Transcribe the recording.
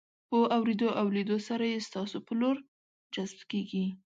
په اورېدو او لیدو سره یې ستاسو په لور جذب کیږي.